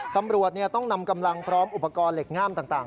ตำรวจต้องนำกำลังพร้อมอุปกรณ์เหล็กง่ามต่าง